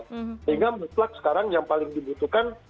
sehingga mutlak sekarang yang paling dibutuhkan